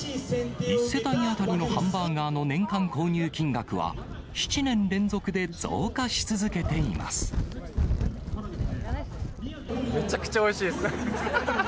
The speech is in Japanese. １世帯当たりのハンバーガーの年間購入金額は、めちゃくちゃおいしいです。